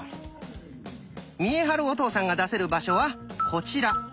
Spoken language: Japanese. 見栄晴お父さんが出せる場所はこちら。